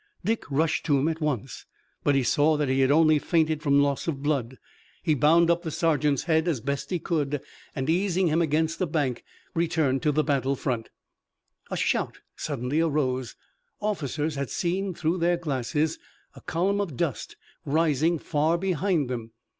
Dick rushed to him at once, but he saw that he had only fainted from loss of blood. He bound up the sergeant's head as best he could, and, easing him against a bank, returned to the battle front. A shout suddenly arose. Officers had seen through their glasses a column of dust rising far behind them.